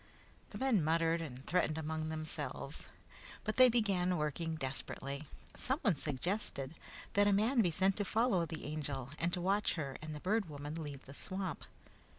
The men muttered and threatened among themselves, but they began working desperately. Someone suggested that a man be sent to follow the Angel and to watch her and the Bird Woman leave the swamp.